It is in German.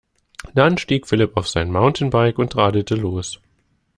Dann stieg Philipp auf sein Mountainbike und radelte los.